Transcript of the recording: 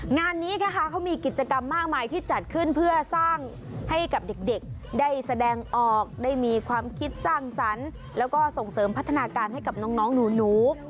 งานนี้นะคะเขามีกิจกรรมมากมายที่จัดขึ้นเพื่อสร้างให้กับเด็กได้แสดงออกได้มีความคิดสร้างสรรค์แล้วก็ส่งเสริมพัฒนาการให้กับน้องหนู